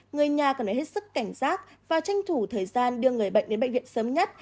người nhà cần phải hết sức cảnh giác và tranh thủ thời gian đưa người bệnh đến bệnh viện sớm nhất